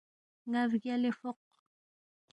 نابگیالے فوق